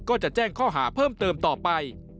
ก็จะแจ้งข้อหาเพิ่มเติมต่อไป